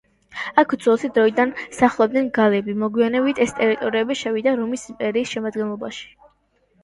აქ უძველესი დროიდან სახლობდნენ გალები მოგვიანებით ეს ტერიტორიები შევიდა რომის იმპერიის შემადგენლობაში.